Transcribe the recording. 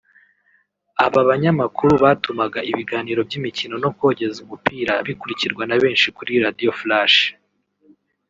Aba banyamakuru batumaga ibiganiro by’imikino no kogeza umupira bikurikirwa na benshi kuri Radio Flash